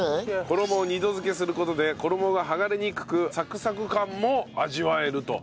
衣を二度づけする事で衣が剥がれにくくサクサク感も味わえると。